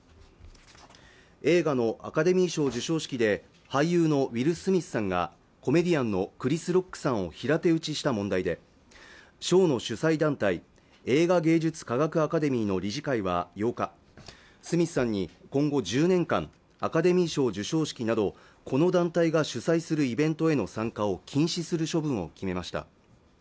映画のアカデミー賞授賞式で俳優のウィル・スミスさんがコメディアンのクリス・ロックさんを平手打ちした問題でショーの主催団体映画芸術科学アカデミーの理事会は８日スミスさんに今後１０年間アカデミー賞授賞式などこの団体が主催するイベントへの参加を禁止する処分を決めました